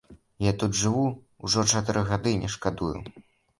Я тут жыву ўжо чатыры гады і не шкадую.